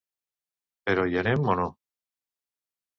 Però hi anem o no?